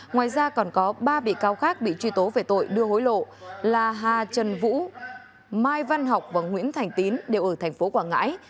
ngoài ra còn có ba bị cáo khác bị truy tố về tội đưa hối lộ là hà trần vũ mai văn học và nguyễn thành tín đều ở tp quảng ngãi